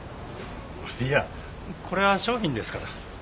いやこれは商品ですから。